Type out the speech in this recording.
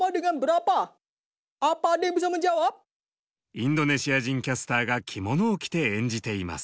インドネシア人キャスターが着物を着て演じています。